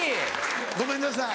ごめんなさい。